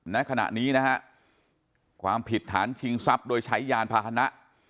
ณขณะนี้นะฮะความผิดฐานชิงทรัพย์โดยใช้ยานพาหนะ